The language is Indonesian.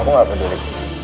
aku nggak peduli